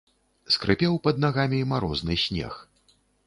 Скрыпеў пад нагамі марозны снег.